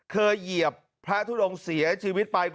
เหยียบพระทุดงเสียชีวิตไป